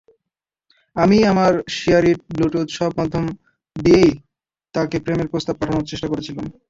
আমি আমার শেয়ারইট, ব্লুটুথ—সব মাধ্যম দিয়েই তাকে প্রেমের প্রস্তাব পাঠানোর চেষ্টা করেছিলাম।